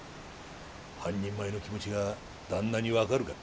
「半人前の気持ちが旦那に分かるか」